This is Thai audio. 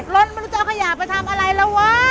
รสไม่รู้จักขยาไปทำอะไรละ